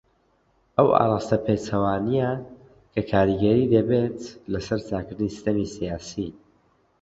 ئەو ئاراستە پێچەوانیە کە کاریگەری دەبێت لەسەر چاکردنی سیستەمی سیاسی.